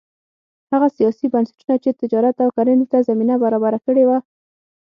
هغه سیاسي بنسټونه چې تجارت او کرنې ته زمینه برابره کړې وه